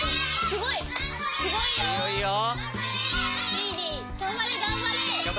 すごいよ。